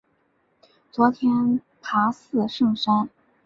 昨天爬四圣山